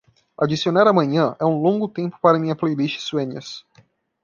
Adicionar Amanhã é um longo tempo para minha playlist Sueños